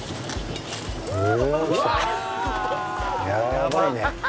やばいね。